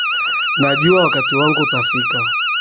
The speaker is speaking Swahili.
Najua wakati wangu utafika.